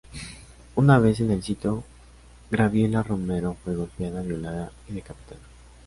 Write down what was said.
Una vez en el sitio, Gabriela Romero fue golpeada, violada y decapitada.